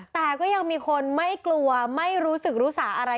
แต่ก็ยังมีคนไม่กลัวไม่รู้สึกรู้สาอะไร